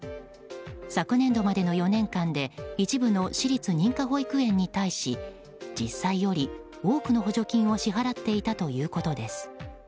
昨年度までの４年間で一部の私立認可保育園に対し実際より多くの補助金を支払っていたということです。